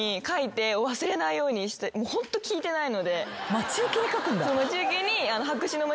待ち受けに書くんだ。